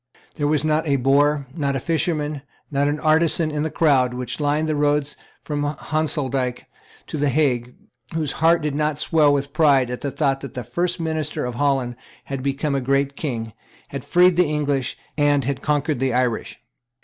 There was not a boor, not a fisherman, not an artisan, in the crowds which lined the road from Honslaerdyk to the Hague, whose heart did not swell with pride at the thought that the first minister of Holland had become a great King, had freed the English, and had conquered the Irish.